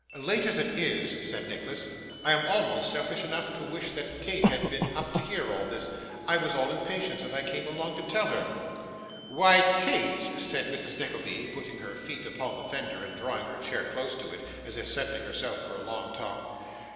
'Late as it is,' said Nicholas, 'I am almost selfish enough to wish that Kate had been up to hear all this. I was all impatience, as I came along, to tell her.' 'Why, Kate,' said Mrs. Nickleby, putting her feet upon the fender, and drawing her chair close to it, as if settling herself for a long talk.